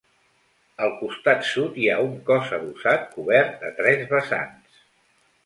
Al costat sud hi ha un cos adossat cobert a tres vessants.